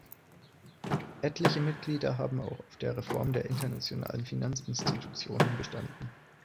Etliche Mitglieder haben auch auf der Reform der internationalen Finanzinstitutionen bestanden.